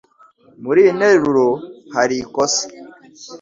Muri iyi nteruro hari ikosa.